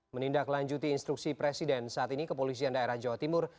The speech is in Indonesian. menindaklanjuti instruksi presiden saat ini kepolisian daerah jawa timur